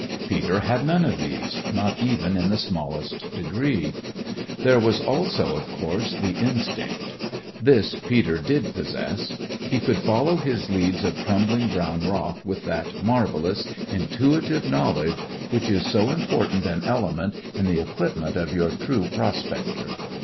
Peter had none of these, not even in the smallest degree. There was also, of course, the instinct. This Peter did possess. He could follow his leads of crumbling brown rock with that marvellous intuitive knowledge which is so important an element in the equipment of your true prospector.